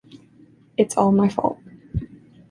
It's all my fault.